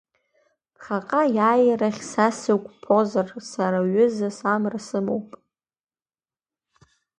Ԥхьаҟа аиааирахь са сықәԥозар, сара ҩызас амра сымоуп!